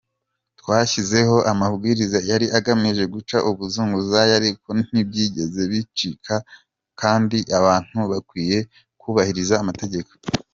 Twashyizeho amabwiriza yari agamije guca ubuzunguzayi ariko ntibyigeze bicika kandi abantu bakwiye kubahiriza amategeko.